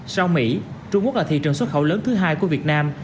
sau mỹ trung quốc là thị trường xuất khẩu lớn thứ hai của việt nam